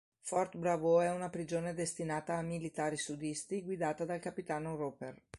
Fort Bravo è una prigione destinata a militari sudisti, guidata dal capitano Roper.